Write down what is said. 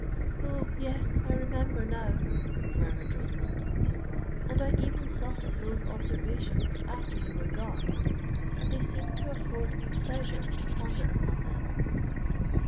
_'" "Oh! yes—I remember now!" murmured Rosamond. "And I even thought of those observations after you were gone; and they seemed to afford me pleasure to ponder upon them."